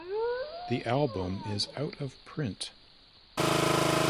The album is out of print.